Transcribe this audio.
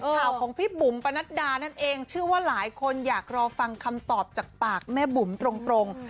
ข่าวของพี่บุ๋มปนัดดานั่นเองเชื่อว่าหลายคนอยากรอฟังคำตอบจากปากแม่บุ๋มตรง